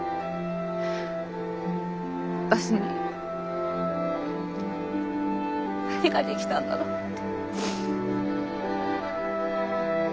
私に何ができたんだろうって。